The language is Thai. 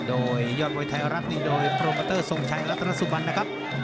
โดยยอดมวยไทยรัฐนี่โดยโปรโมเตอร์ทรงชัยรัฐสุบันนะครับ